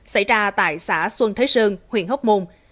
xảy ra tại xã xuân thế sơn huyện hóc môn